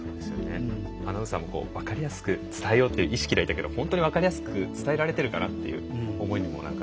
アナウンサーも分かりやすく伝えようという意識ですけど本当に分かりやすく伝えられているかなという思いにもなりましたね。